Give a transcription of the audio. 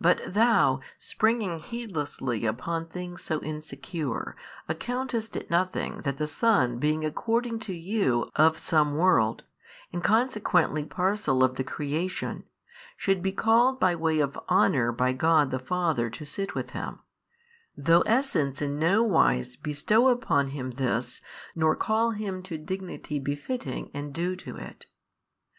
But THOU springing heedlessly upon things so insecure, accountst it nothing that the Son being according to you of some world, and consequently parcel of the creation, should be called by way of honour by God the Father to sit with Him, though Essence in no wise bestow upon Him this nor call Him to Dignity befitting and due to it.